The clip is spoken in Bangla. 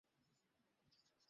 হয়তো তাই ও আসেনি।